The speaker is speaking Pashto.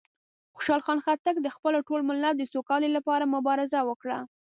خوشحال خان خټک د خپل ټول ملت د سوکالۍ لپاره مبارزه وکړه.